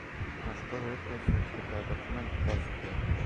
Наш први утисак је да је документ позитиван.